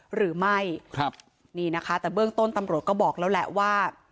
หรือไม่ครับนี่นะคะแต่เบื้องต้นตำรวจก็บอกแล้วแหละว่า